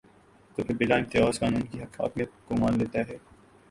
تو پھر بلا امتیاز قانون کی حاکمیت کو مان لیتا ہے۔